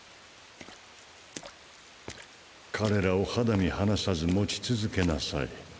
彼らを肌身離さず持ち続けなさい。